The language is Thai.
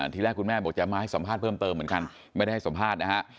ทีแรกคุณแม่บอกจะมาให้สัมภาษณ์เพิ่มเติมเหมือนกันไม่ได้ให้สัมภาษณ์นะฮะ